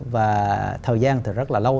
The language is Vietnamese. và thời gian rất là lâu